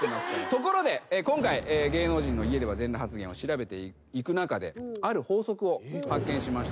ところで今回芸能人の家では全裸発言を調べていく中である法則を発見しました。